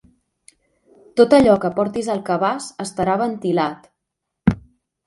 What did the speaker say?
Tot allò que portis al cabàs estarà ventilat.